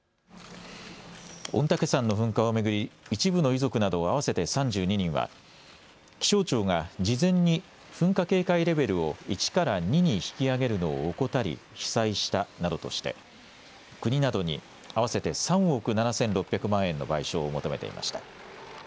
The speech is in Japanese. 御嶽山の噴火を巡り、一部の遺族など合わせて３２人は気象庁が事前に噴火警戒レベルを１から２に引き上げるのを怠り被災したなどとして国などに合わせて３億７６００万円の賠償を求めていました。